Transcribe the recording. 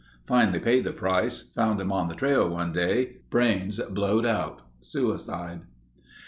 Finally paid the price. Found him on the trail one day. Brains blowed out. Suicide."